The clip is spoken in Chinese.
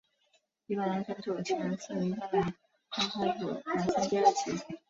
一般男生组前四名将来年公开组男生第二级。